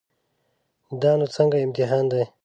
دا نو څنګه امتحان دی.